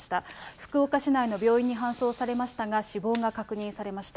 福岡市内の病院に搬送されましたが、死亡が確認されました。